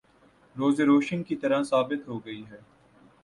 ‘ روز روشن کی طرح ثابت ہو گئی ہے۔